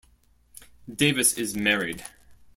Davis is married.